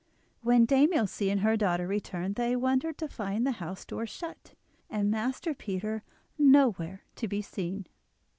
When Dame Ilse and her daughter returned they wondered to find the house door shut, and Master Peter nowhere to be seen.